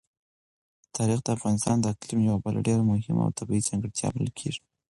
تاریخ د افغانستان د اقلیم یوه بله ډېره مهمه او طبیعي ځانګړتیا بلل کېږي.